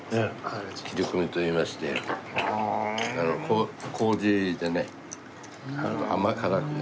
切込みといいまして麹でね甘辛くね。